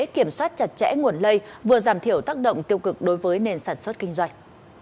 kiểm soát chặt chẽ nguồn lây vừa giảm thiểu tác động tiêu cực đối với nền sản xuất kinh doanh